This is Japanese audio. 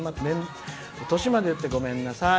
年まで言ってごめんなさい。